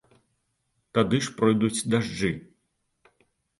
Тады ж пройдуць дажджы.